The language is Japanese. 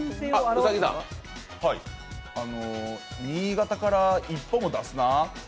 新潟から一歩も出すなぁ。